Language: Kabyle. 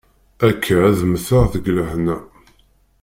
Akka ad mmteɣ deg lehna.